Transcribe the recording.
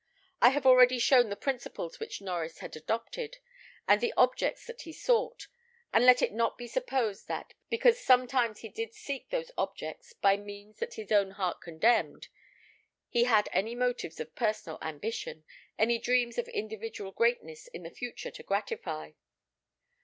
I have already shown the principles which Norries had adopted, and the objects that he sought; and let it not be supposed that, because sometimes he did seek those objects by means that his own heart condemned, he had any motives of personal ambition, any dreams of individual greatness in the future to gratify.